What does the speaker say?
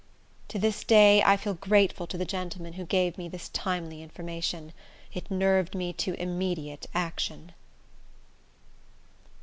To this day I feel grateful to the gentleman who gave me this timely information. It nerved me to immediate action.